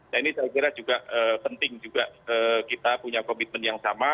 nah ini saya kira juga penting juga kita punya komitmen yang sama